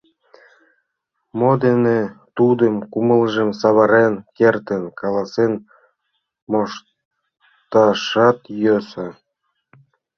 Мо дене тудын кумылжым савырен кертын — каласен мошташат йӧсӧ.